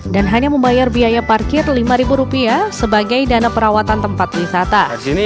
dan hanya membayar biaya parkir lima rupiah sebagai dana perawatan tempat wisata